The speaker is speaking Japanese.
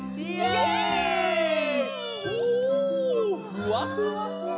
ふわふわふわ。